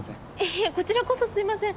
いえこちらこそすいません